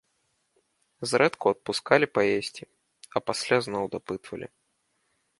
Зрэдку адпускалі паесці, а пасля зноў дапытвалі.